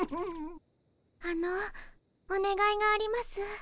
あのおねがいがあります。